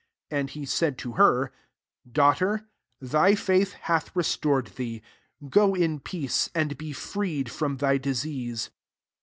34 And he said to her, <( Daughter, thy faith hath res tored thee : go in peace, and be freed from thy disease."